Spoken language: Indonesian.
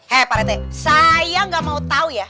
he pak rete saya gak mau tau ya